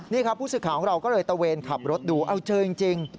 นี่ครับผู้สื่อข่าวของเราก็เลยตะเวนขับรถดูเอาเจอจริง